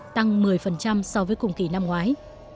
tăng một mươi so với cùng kỳ năm ngoái